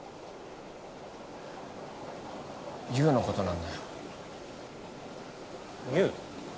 優のことなんだよ優？